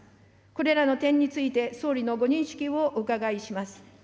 これらの点について、総理のご認識をお伺いします。